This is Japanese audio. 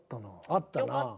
あったな。